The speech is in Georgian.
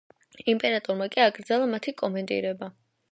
იმპერატორმა კი აკრძალა მათი კომენტირება.